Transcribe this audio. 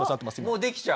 もうできちゃう？